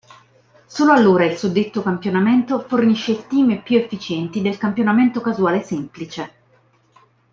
Solo allora il suddetto campionamento fornisce stime più efficienti del campionamento casuale semplice.